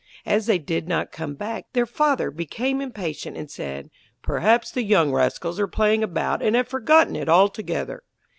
As they did not come back, their Father became impatient, and said: 'Perhaps the young rascals are playing about, and have forgotten it altogether.'